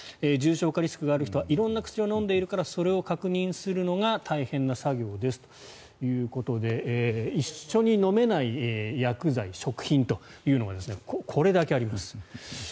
重症化リスクがある人は色んな薬を飲んでいるからそれを確認するのが大変な作業ですということで一緒に飲めない薬剤食品というのがこれだけあります。